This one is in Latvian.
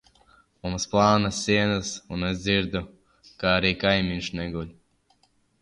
Mums plānas sienas un es dzirdu, ka arī kaimiņš neguļ.